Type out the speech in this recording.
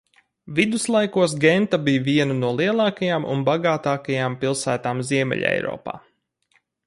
Viduslaikos Genta bija viena no lielākajām un bagātākajām pilsētām Ziemeļeiropā.